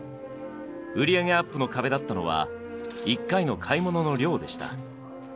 売り上げアップの壁だったのは１回の買い物の量でした。